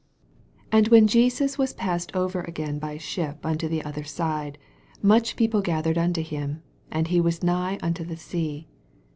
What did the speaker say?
21 And when Jesus was passed over again by ship unto the other side, much people gathered unto him: and he waa nigh unto the sea.